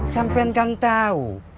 sampain kan tau